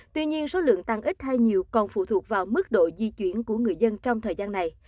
tuy nhiên số lượng tăng ít hay nhiều còn phụ thuộc vào mức độ di chuyển của người dân trong thời gian này